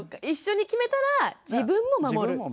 一緒に決めたら自分も守る。